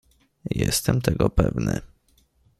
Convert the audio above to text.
"Jestem tego pewny."